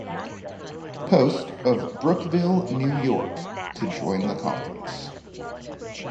Post of Brookville, New York - to join the conference.